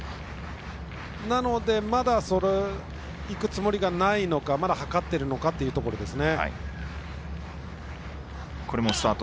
なのでまだいくつもりではないのかまだ計っているのかというところですね。